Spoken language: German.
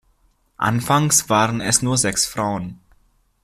Anfangs waren es nur sechs Frauen.